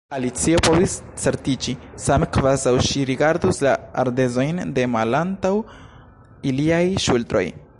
Alicio povis certiĝi, same kvazaŭ ŝi rigardus la ardezojn de malantaŭ iliaj ŝultroj.